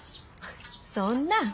そんな。